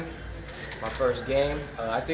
pertama kali saya bermain